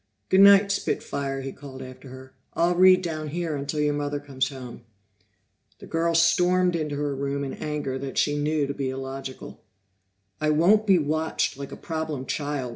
"Good night, spit fire," he called after her. "I'll read down here until your mother comes home." The girl stormed into her room in anger that she knew to be illogical. "I won't be watched like a problem child!"